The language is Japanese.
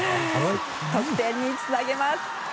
得点につなげます。